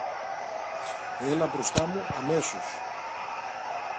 Έλα μπροστά μου, αμέσως!